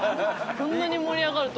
こんなに盛り上がると。